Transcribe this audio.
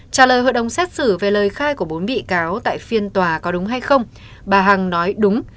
trả lời hội đồng xét xử về lời khai của bốn bị cáo tại phiên tòa có đúng hay không bà hằng nói đúng